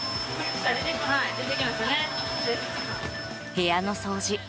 部屋の掃除。